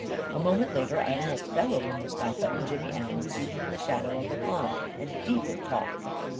A moment later, I almost fell over Mustafa and Jimmy Allen, seated in the shadow of a palm and deep in talk.